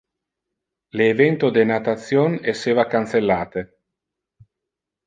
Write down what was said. Le evento de natation esseva cancellate.